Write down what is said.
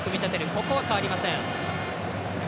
ここは変わりません。